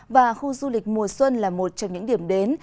và khu du lịch mùa xuân là một trong những điểm đến